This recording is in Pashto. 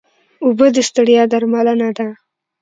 اوبه د ستړیا درملنه ده